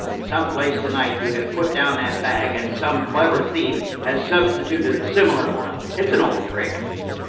Some place tonight you have put down that bag, and some clever thief has substituted a similar one. It's an old trick."